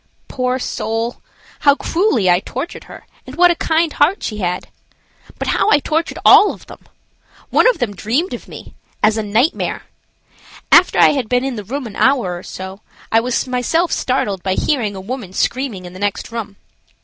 Poor soul! How cruelly I tortured her, and what a kind heart she had! But how I tortured all of them! One of them dreamed of me–as a nightmare. After I had been in the room an hour or so, I was myself startled by hearing a woman screaming in the next room.